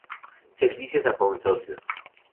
Servicios a Consorcios.